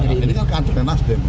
ini kan kantornya nasdem